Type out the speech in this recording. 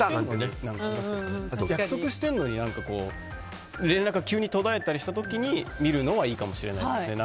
約束してるのに連絡が途絶えたりした時に見るのはいいかもしれないですね。